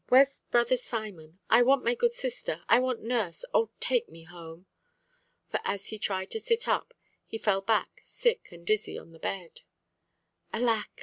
Where's brother Simon? I want my good sister! I want nurse! Oh! take me home!" For as he tried to sit up, he fell back sick and dizzy on the bed. "Alack!